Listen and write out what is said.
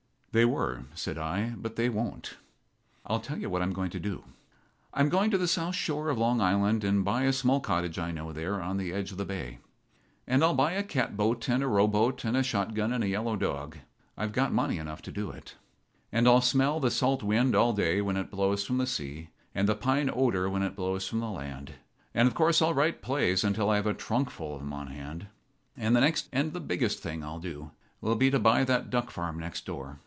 "They were," said I, "but they won't.. I'll tell you what I'm going to do. I'm going to the south shore of Long Island and buy a small cottage I know there on the edge of the bay. And I'll buy a catboat and a rowboat and a shotgun and a yellow dog. I've got money enough to do it. And I'll smell the salt wind all day when it blows from the sea and the pine odor when it blows from the land. And, of course, I'll write plays until I have a trunk full of 'em on hand. "And the next thing and the biggest thing I'll do will be to buy that duck farm next door.